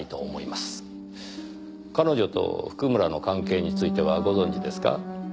彼女と譜久村の関係についてはご存じですか？